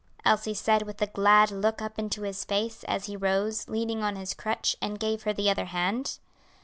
Elsie said with a glad look up into his face, as he rose, leaning on his crutch, and gave her the other hand.